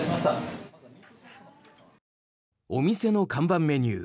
お店の看板メニュー